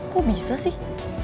kok bisa sih